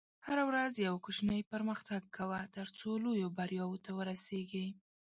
هره ورځ یو کوچنی پرمختګ کوه، ترڅو لویو بریاوو ته ورسېږې.